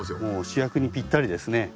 主役にぴったりですね。